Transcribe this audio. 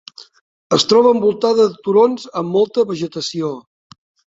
Es troba envoltada de turons amb molta vegetació.